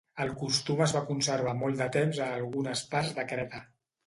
El costum es va conservar molt de temps a algunes parts de Creta.